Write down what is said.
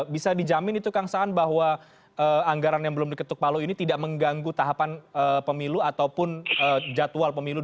bisa dijamin itu kang saan bahwa anggaran yang belum diketuk palu ini tidak mengganggu tahapan pemilu ataupun jadwal pemilu dua ribu dua puluh